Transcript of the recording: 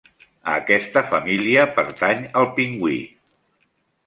A aquesta família pertany el pingüí.